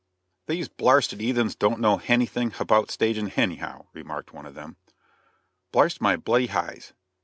"These blarsted 'eathens don't know hanything habout staging, hany 'ow," remarked one of them. "Blarst me bloody heyes!